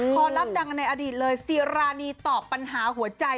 พอลับดังในอดีตเลยซีรานีตอบปัญหาหัวใจ